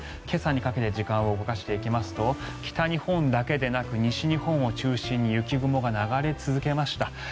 今朝にかけて時間を動かしていきますと北日本だけでなく西日本を中心に雪雲が流れ続けました。